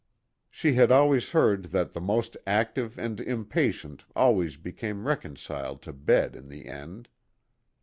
She had always heard that the most active and impatient always became reconciled to bed in the end.